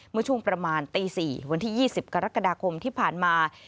เมื่อช่วงประมาณตี๔วันที่๒๐กรกฎาคมที่ผ่านมา